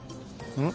うん？